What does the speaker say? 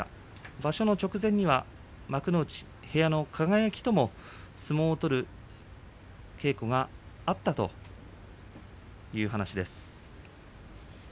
場所の直前には幕内、部屋の輝とも相撲を取る稽古があったという話です。